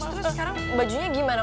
terus terus sekarang bajunya gimana